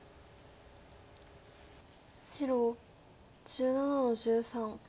白１７の十三。